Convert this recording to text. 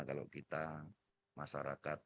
kalau kita masyarakat